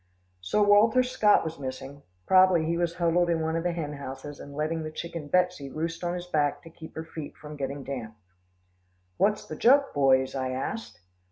Sir Walter Scott was missing; probably he was huddled in one of the hen houses and letting the chicken Betsy roost on his back to keep her feet from getting damp. "What's the joke, boys?" I asked.